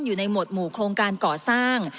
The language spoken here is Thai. อยู่ในหวดหมู่โครงการก่อสร้าง